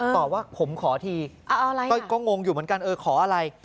ตอบว่าผมขอทีเอออะไรอ่ะก็งงอยู่เหมือนกันเออขออะไร